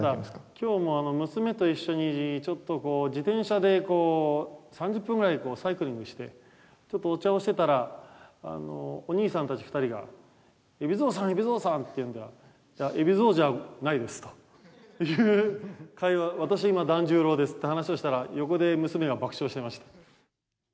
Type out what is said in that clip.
きょうも娘と一緒にちょっと自転車でこう、３０分くらいサイクリングして、ちょっとお茶をしてたら、お兄さんたち２人が、海老蔵さん、海老蔵さんって言うんで、いや、海老蔵じゃないですという会話、私、今、團十郎ですっていう話をしたら、横で娘が爆笑してました。